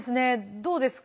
どうですか？